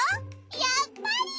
やっぱり！